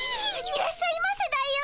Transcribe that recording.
いらっしゃいませだよ。